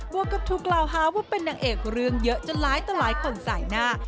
บวกกับทุกลาวฮาวว่าเป็นนางเอกเรื่องเยอะจนร้ายตะลายผลใส่หน้า